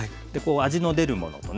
味の出るものとね